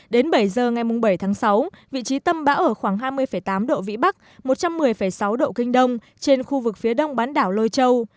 đến bảy giờ ngày bảy tháng sáu vị trí tâm bão ở khoảng hai mươi tám độ vĩ bắc một trăm một mươi sáu độ kinh đông trên khu vực phía đông bán đảo lôi châu